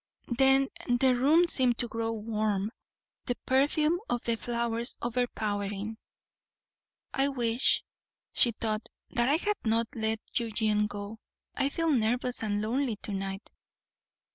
Then the room seemed to grow warm, the perfume of the flowers overpowering. "I wish," she thought, "that I had not let Eugenie go; I feel nervous and lonely to night."